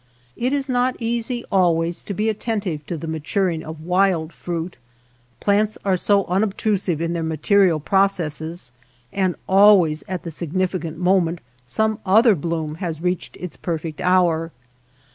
It is not easy always to be attentive to the maturing of wild fruit. Plants are so 134 MY NEIGHBORS FIELD unobtrusive in their material processes, and always at the significant moment some other bloom has reached its perfect hour.